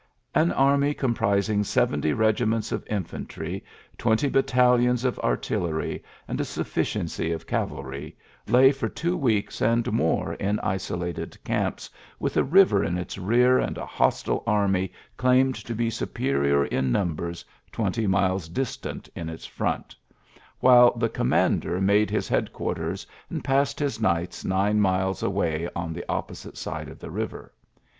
*^An army comprising seventy regi ments of infantry, twenty battalions of artillery, and a sufficiency of cavalry, lay for two weeks and more in isolated camps, with a river in its rear and a hostile army ULYSSES S. GEAOT? 65 claiined to be superior in numbers twenty miles distant in its front, while the com mander made his headquarters and passed his nights nine miles away on the opposite side of the river.